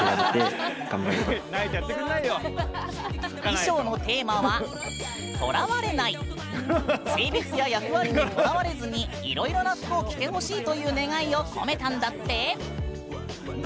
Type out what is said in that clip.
衣装のテーマは性別や役割にとらわれずにいろいろな服を着てほしいという願いを込めたんだって。